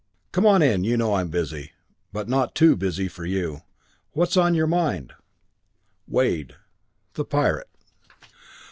"Come on in; you know I'm busy but not too busy for you. What's on your mind?" "Wade the pirate."